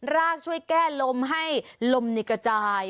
รากช่วยแก้ลมให้ลมในกระจาย